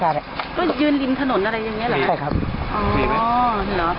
ก็ยืนหลินทะกลนนี้ใช่ครับ